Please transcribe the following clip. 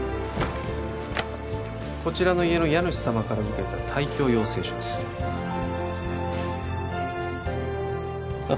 こちらの家の家主様からうけた退去要請書ですあっ